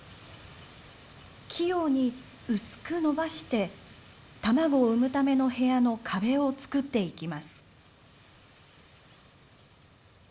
器用に薄くのばして卵を産むための部屋の壁を作っていきます。